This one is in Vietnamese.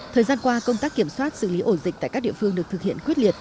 thời gian qua công tác kiểm soát xử lý ổ dịch tại các địa phương được thực hiện quyết liệt